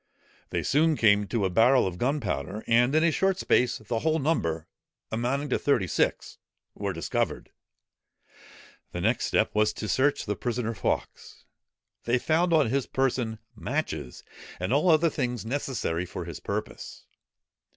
They soon came to a barrel of gunpowder: and in a short space, the whole number, amounting to thirty six, were discovered. The next step was to search the prisoner Fawkes. They found on his person matches, and all other things necessary for his purpose.